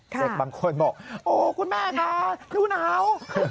เด็กบางคนบอกโอ้คุณแม่ค่ะดูหนาว